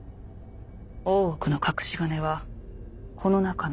大奥の隠し金はこの中のどこかに。